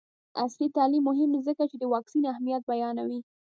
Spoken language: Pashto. عصري تعلیم مهم دی ځکه چې د واکسین اهمیت بیانوي.